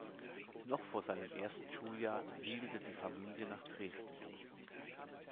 Noch vor seinem ersten Schuljahr siedelte die Familie nach Dresden um.